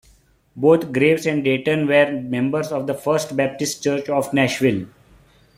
Both Graves and Dayton were members of the First Baptist Church of Nashville.